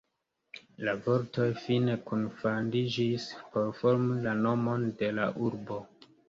La vortoj fine kunfandiĝis por formi la nomon de la urbo.